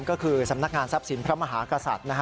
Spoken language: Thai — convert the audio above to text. ก็คือสำนักงานทรัพย์สินพระมหากษัตริย์